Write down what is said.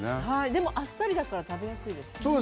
でもあっさりだから食べやすいです。